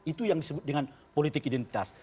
itu yang disebut dengan politik identitas